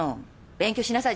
勉強しなさい